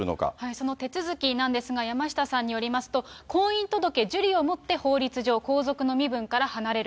その手続きなんですが、山下さんによりますと、婚姻届受理をもって法律上、皇族の身分から離れる。